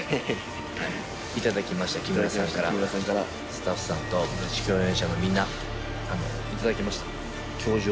スタッフさんと共演者のみんな頂きました。